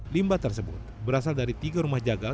limbah tersebut berasal dari tiga rumah jagal